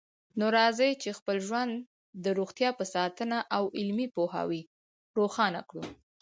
نو راځئ چې خپل ژوند د روغتیا په ساتنه او علمي پوهاوي روښانه کړو